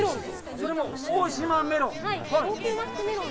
それも大島メロン。